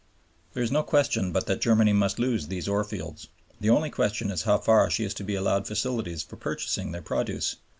There is no question but that Germany must lose these ore fields. The only question is how far she is to be allowed facilities for purchasing their produce.